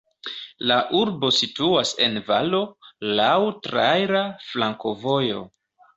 La urbo situas en valo, laŭ traira flankovojo.